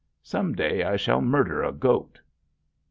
Some day I shall murder a goat!